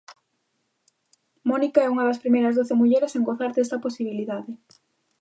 Mónica é unha das primeiras doce mulleres en gozar desta posibilidade.